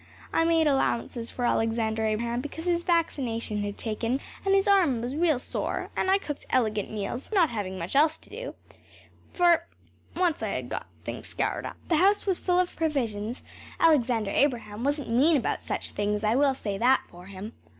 I made allowances for Alexander Abraham because his vaccination had taken and his arm was real sore; and I cooked elegant meals, not having much else to do, once I had got things scoured up. The house was full of provisions Alexander Abraham wasn’t mean about such things, I will say that for him.